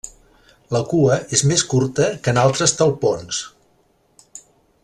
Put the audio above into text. La cua és més curta que en altres talpons.